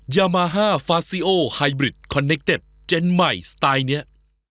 ยามาฮ่าฟาซิโอไฮบริดคอนเนคเต็ดเจนใหม่สไตล์นี้